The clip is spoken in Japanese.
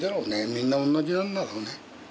みんなおんなじなんだろうね。